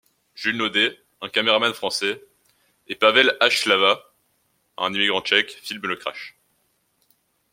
Jules Naudet, un cameraman français et Pavel Hlava, un immigrant tchèque, filment le crash.